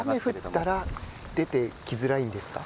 雨が降ったら出てきづらいんですか。